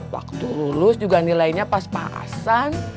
waktu lulus juga nilainya pas pasan